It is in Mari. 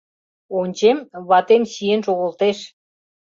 Ончем — ватем чиен шогылтеш.